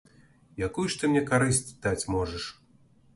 Якую ж ты мне карысць даць можаш?